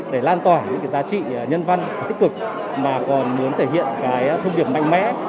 để lan tỏa những giá trị nhân văn tích cực mà còn muốn thể hiện cái thông điệp mạnh mẽ